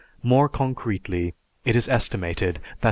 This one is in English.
More concretely, it is estimated that 10.